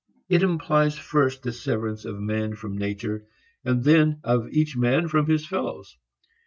It implies first the severance of man from nature and then of each man from his fellows.